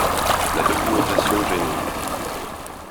La documentation gênait.